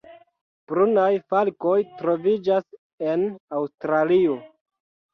Brunaj falkoj troviĝas en Aŭstralio.